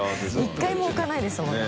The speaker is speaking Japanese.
１回も置かないですもんね